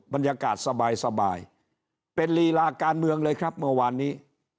บรรยากาศสบายเป็นลีลาการเมืองเลยครับเมื่อวานนี้